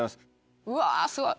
うわすごい。